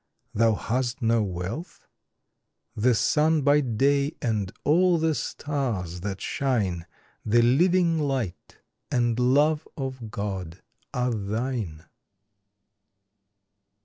Thou hast no wealth? The sun by day, and all the stars that shine, The living light, and love of God are thine!